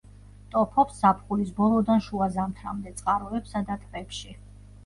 ტოფობს ზაფხულის ბოლოდან შუა ზამთრამდე წყაროებსა და ტბებში.